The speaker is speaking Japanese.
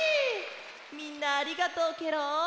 みんなありがとうケロ。